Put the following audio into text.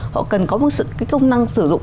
họ cần có một cái công năng sử dụng